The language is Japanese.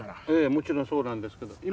ええもちろんそうなんですけど。